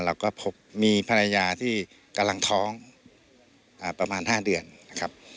เราก็พบมีภรรยาที่กำลังท้องประมาณ๕เดือนนะครับ